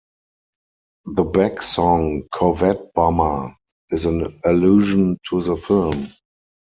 The Beck song "Corvette Bummer" is an allusion to the film.